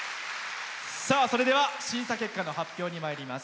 審査結果の発表にまいります。